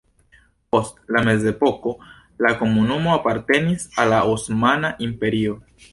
Post la mezepoko la komunumo apartenis al la Osmana Imperio.